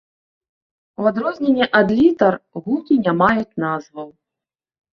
У адрозненне ад літар гукі не маюць назваў.